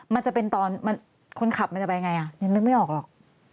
มันจะเป็นตอนคนขับมันจะไปไงอ่ะยังนึกไม่ออกหรอก